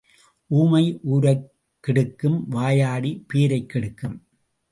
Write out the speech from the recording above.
ஊமை ஊரைக்கெடுக்கும் வாயாடி பேரைக் கெடுக்கும்.